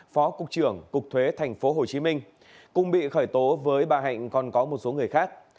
phó cục trưởng cục thuế tp hcm cùng bị khởi tố với bà hạnh còn có một số người khác